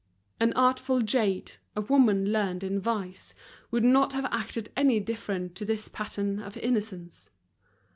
An artful jade, a woman learned in vice, would not have acted any different to this pattern of innocence.